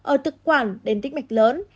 ở thực quản đến tích mạch lớn